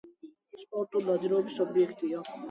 სპორტული ნადირობის ობიექტია.